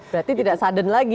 berarti tidak sudden lagi